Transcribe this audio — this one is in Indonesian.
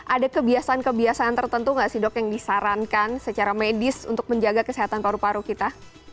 ada kebiasaan kebiasaan tertentu nggak sih dok yang disarankan secara medis untuk menjaga kesehatan paru paru kita